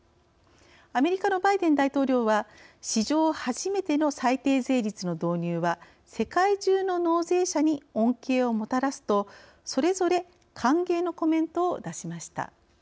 アメリカのバイデン大統領は「史上初めての最低税率の導入は世界中の納税者に恩恵をもたらす」と、それぞれ歓迎のコメントを出しました。